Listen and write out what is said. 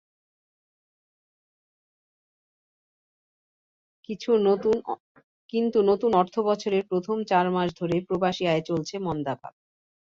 কিন্তু নতুন অর্থবছরের প্রথম চার মাস ধরেই প্রবাসী আয়ে চলছে মন্দাভাব।